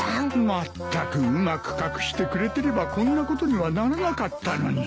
まったくうまく隠してくれてればこんなことにはならなかったのに。